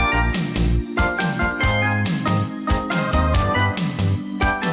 วันสุดท้ายรักของพวกเรา